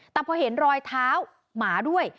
แต่พอเห็นรอยเท้าหมาด้วย